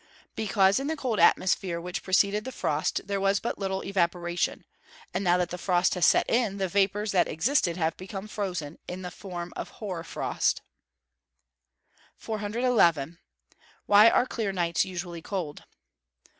_ Because, in the cold atmosphere which preceded the frost, there was but little evaporation; and now that the frost has set in, the vapours that existed have become frozen in the form of hoar frost. 411. _Why are clear nights usually cold?